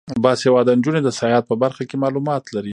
باسواده نجونې د سیاحت په برخه کې معلومات لري.